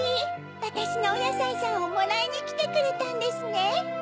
わたしのおやさいさんをもらいにきてくれたんですね。